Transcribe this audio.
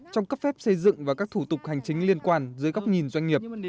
trong cấp phép xây dựng và các thủ tục hành chính liên quan dưới góc nhìn doanh nghiệp